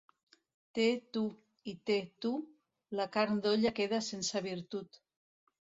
Té tu i té tu, la carn d'olla queda sense virtut.